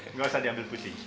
enggak usah diambil putih